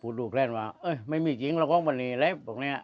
พูดดูแคลนว่าเอ้ยไม่มีจริงเราเข้ามานี่แหละบอกแบบเนี่ย